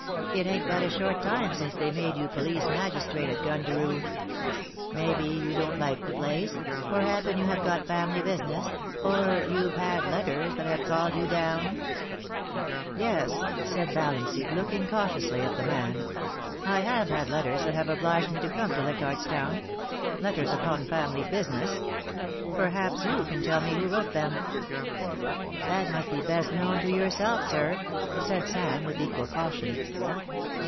It ain't but a short time since they made you police magistrate at Gundaroo. Maybe you don't like the place, or happen you have got family business, or you've had letters that have called you down.' AN INTERVIEW WITH SAMMY DEANS. 325 * Yes,' said Valiancy, looking cautiously at the man ;* I have had letters that have obliged me to come to Leichardt's Town. Letters upon family business. Perhaps you can tell me who wrote them.' * That must be best known to yourself, sir,' said Sam, with equal caution.